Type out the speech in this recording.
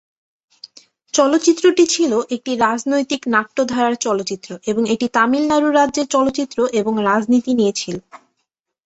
চলচ্চিত্রটি ছিলো একটি রাজনৈতিক-নাট্য ধারার চলচ্চিত্র এবং এটি তামিলনাড়ু রাজ্যের চলচ্চিত্র এবং রাজনীতি নিয়ে ছিলো।